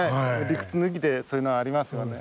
理屈抜きでそういうのありますわね。